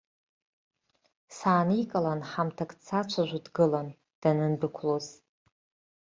Сааникылан, ҳамҭак дсацәажәо дгылан, данындәықәлоз.